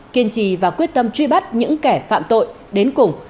kiên trì và quyết tâm truy bắt những kẻ phạm tội đến cùng